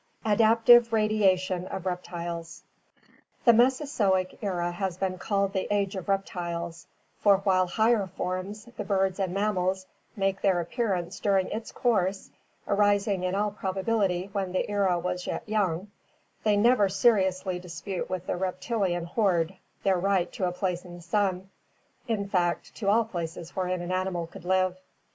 Adaptive Radiation of Reptiles The Mesozoic era has been called the Age of Reptiles, for while higher forms, the birds and mammals, make their appearance during its course, arising in all probability when the era was yet young, they never seriously dispute with the reptilian horde their right to a place in the sun, in fact to all places wherein an animal could live.